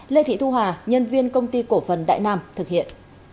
lê thị thu hà nhân viên công ty cổ phần đại nam thực hiện